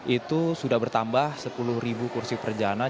itu sudah bertambah sepuluh ribu kursi perjalanan